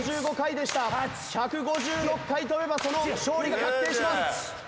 １５６回跳べばその勝利が確定します！